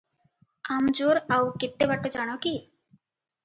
ଆମଜୋର ଆଉ କେତେ ବାଟ ଜାଣ କି?